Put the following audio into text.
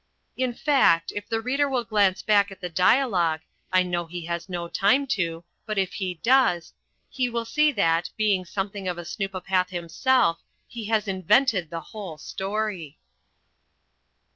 In fact, if the reader will glance back at the dialogue I know he has no time to, but if he does he will see that, being something of a snoopopath himself, he has invented the whole story.